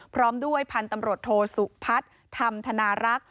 พร้อมด้วยพันธุ์ตำรวจโทสุพัฒน์ธรรมธนารักษ์